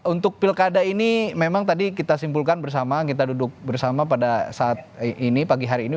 untuk pilkada ini memang tadi kita simpulkan bersama kita duduk bersama pada saat ini pagi hari ini